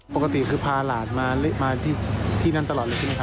ปกติคือพาหลานมาที่นั่นตลอดเลยจริงครับ